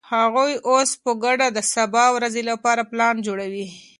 هغوی اوس په ګډه د سبا ورځې لپاره پلان جوړوي.